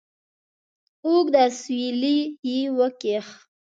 اوږد اسویلی یې وکېښ.